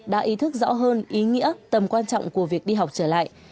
đã ý thức rõ hơn ý nghĩa tầm quan trọng của việc đi học trở lại